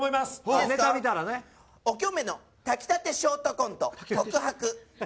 おきょめの炊きたてショートコント、告白。